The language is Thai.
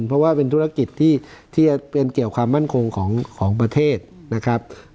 เพราะว่าเป็นธุรกิจที่จะเป็นเกี่ยวความมั่นคงของประเทศนะครับ